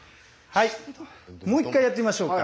もう一回やってみましょうか。